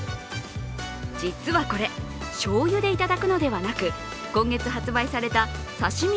実はこれ、しょうゆでいただくのではなく、今月発売された刺身